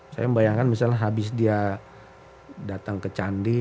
saya membayangkan misalnya habis dia datang ke candi